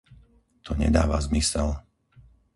To nedáva zmysel.